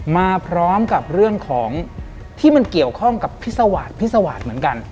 มาพร้อมกับเรื่องของที่มันเกี่ยวข้องกับพิสวาสพิสวาสตร์เหมือนกัน